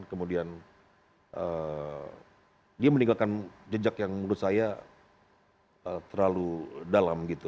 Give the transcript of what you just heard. kemudian dia meninggalkan jejak yang menurut saya terlalu dalam gitu